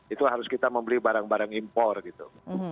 itu harus kita membeli barang barang impor gitu